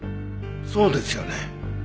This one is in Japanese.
そうですよね。